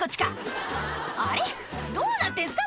どうなってんすか？